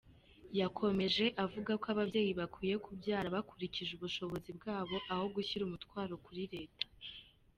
Yakomeje avuga ko ababyeyi bakwiye kubyara bakurikije ubushobozi bwabo aho gushyira umutwaro kuri Leta.